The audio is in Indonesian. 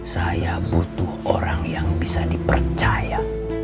saya butuh orang yang bisa dipercaya